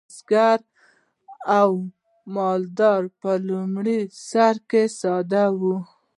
بزګري او مالداري په لومړي سر کې ساده وې.